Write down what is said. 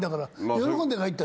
喜んで帰った。